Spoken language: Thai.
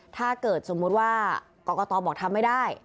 ถ้าเกิดสมมุติว่ากรกตบอกทำไม่ได้